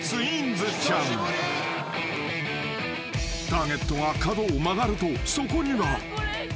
［ターゲットが角を曲がるとそこには］